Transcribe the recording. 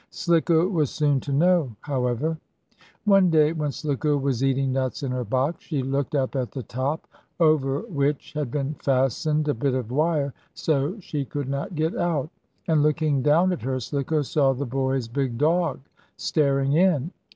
Slicko was soon to know, however. One day, when Slicko was eating nuts in her box, she looked up at the top, over which had been fastened a bit of wire so she could not get out, and, looking down at her, Slicko saw the boy's big dog staring in.